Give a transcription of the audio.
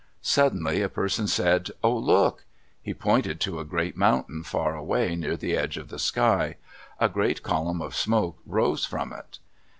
Suddenly a person said, "Oh, look!" He pointed to a great mountain far away, near the edge of the sky. A great column of smoke rose from it.